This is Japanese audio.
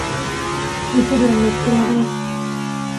もちろんロックも大好き♡